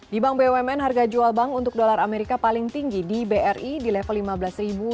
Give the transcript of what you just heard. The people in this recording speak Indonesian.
di bank bumn harga jual bank untuk dolar amerika paling tinggi di bri di level rp lima belas